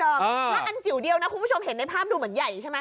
แล้วอันจิ๋วเดียวนะคุณผู้ชมเห็นในภาพดูเหมือนใหญ่ใช่ไหม